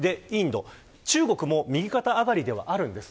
中国も右肩上がりではあるんです。